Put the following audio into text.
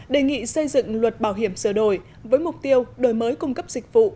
đề nghị xây dựng luật bảo hiểm sửa đổi với mục tiêu đổi mới cung cấp dịch vụ